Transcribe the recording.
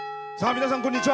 皆さん、こんにちは。